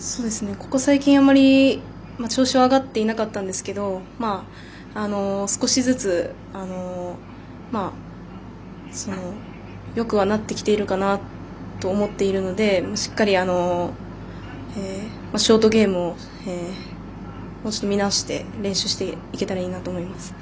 ここ最近、あまり調子は上がってなかったんですけど少しずつよくはなってきているかなと思っているのでしっかりショートゲームをもう少し見直して練習していけたらいいなと思っています。